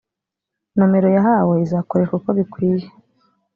nomero yahawe izakoreshwa uko bikwiye